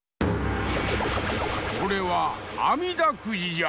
これは「あみだくじ」じゃ！